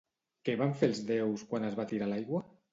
Què van fer els déus quan es va tirar a l'aigua?